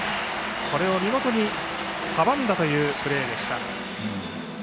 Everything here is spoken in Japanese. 見事に阻んだというプレーでした。